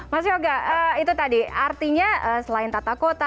mas yoga itu tadi artinya selain tata kota